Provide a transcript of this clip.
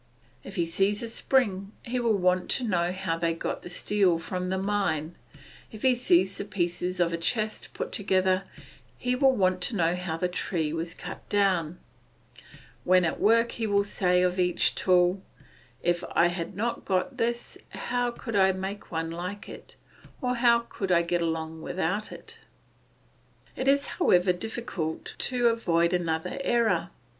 If he sees a spring made he will want to know how they got the steel from the mine; if he sees the pieces of a chest put together, he will want to know how the tree was out down; when at work he will say of each tool, "If I had not got this, how could I make one like it, or how could I get along without it?" It is, however, difficult to avoid another error.